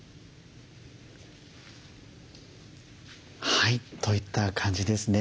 はいといった感じですね。